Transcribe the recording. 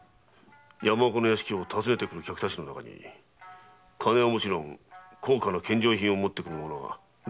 山岡の屋敷を訪ねる客たちの中には金はもちろん高価な献上品を持ってくる者はだれもいなかったそうだ。